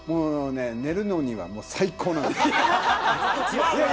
寝るのには最高です。